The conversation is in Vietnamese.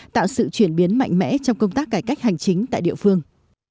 tạo sự chuyển biến mạnh mẽ trong công tác cải cách hành chính tại địa phương